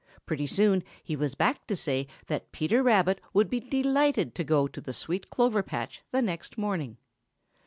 Pretty soon he was back to say that Peter Rabbit would be delighted to go to the sweet clover patch the next morning.